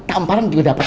tampalan juga dapet